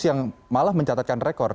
yang malah mencatatkan rekor